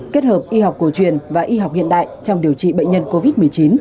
kết hợp y học cổ truyền và y học hiện đại trong điều trị bệnh nhân covid một mươi chín